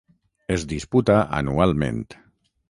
Es disputa anualment.